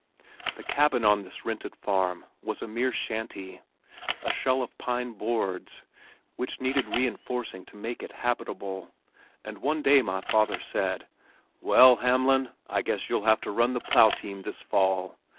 The cabin on this rented farm was a mere shanty, a shell of pine boards, which needed re enforcing to make it habitable and one day my father said, "Well, Hamlin, I guess you'll have to run the plow team this fall.